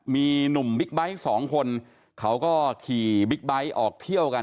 มีหนุ่มบิ๊กไบท์สองคนเขาก็ขี่บิ๊กไบท์ออกเที่ยวกัน